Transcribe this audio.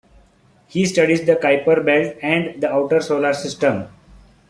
He studies the Kuiper belt and the outer Solar System.